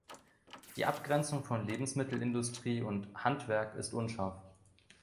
Die Abgrenzung von Lebensmittelindustrie und -handwerk ist unscharf.